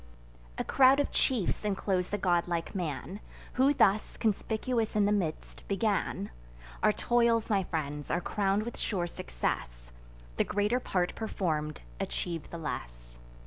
A crowd of chiefs inclose the godlike man, Who thus, conspicuous in the midst, began: "Our toils, my friends, are crown'd with sure success; The greater part perform'd, achieve the less.